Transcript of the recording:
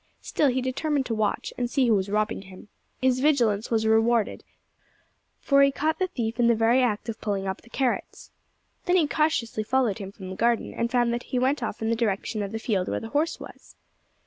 Still he determined to watch, and see who was robbing him. His vigilance was rewarded, for he caught the thief in the very act of pulling up the carrots. Then he cautiously followed him from the garden, and found that he went off in the direction of the field where the horse was.